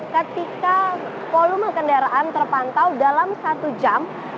ketika volume kendaraan terpantau dalam satu jam